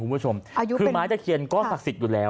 คือไม้ตะเขียนก็ศักดิ์สิทธิ์อยู่แล้ว